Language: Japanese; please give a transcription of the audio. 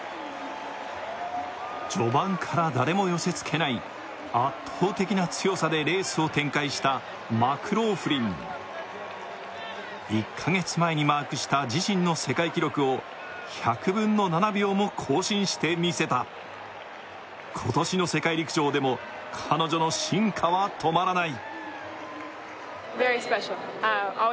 序盤から誰も寄せつけない圧倒的な強さでレースを展開したマクローフリン１カ月前にマークした自身の世界記録を１００分の７秒も更新してみせた今年の世界陸上でも彼女の進化は止まらない